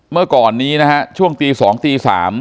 เมื่อก่อนนี้นะฮะช่วงตี๒ตี๓